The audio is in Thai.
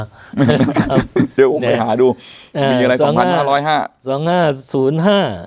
หัวไปหาดูมีอะไร๒๕๐๕